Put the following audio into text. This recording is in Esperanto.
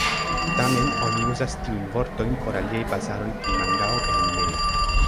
Tamen oni uzas tiujn vortojn por aliaj bazaroj pri mangao kaj animeo.